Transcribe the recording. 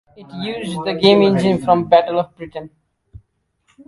It reused the game engine from "Battle of Britain".